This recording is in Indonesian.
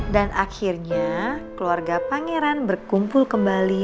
dan akhirnya keluarga pangeran berkumpul kembali